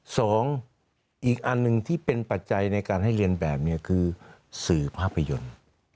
สองอีกอันหนึ่งที่เป็นปัจจัยในการให้เรียนแบบนี้คือสื่อภาพยนตร์